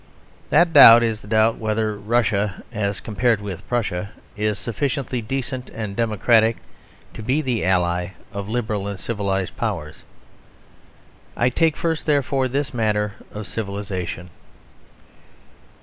That doubt is the doubt whether Russia, as compared with Prussia, is sufficiently decent and democratic to be the ally of liberal and civilised powers. I take first, therefore, this matter of civilisation.